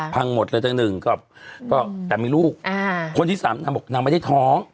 พังหมดเลยจังหนึ่งก็แต่มีลูกคนที่สามนางบอกนางไม่ได้ท้อง